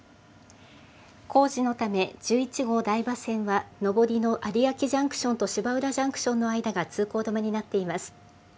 工事のため１１号台場線は上りの有明ジャンクションと芝浦ジャンクションの間が通行止めになっています。